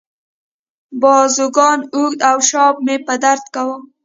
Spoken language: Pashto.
بازوګانو، اوږو او شا مې درد کاوه.